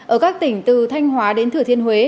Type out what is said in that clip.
ở các tỉnh từ thanh hóa đến thừa thiên huế